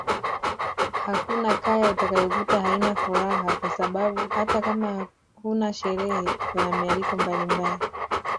Hakuna kaya utakayokuta haina furaha kwa sababu hata kama huna sherehe kuna mialiko mbalimbali